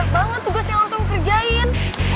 banget tugas yang harus aku kerjain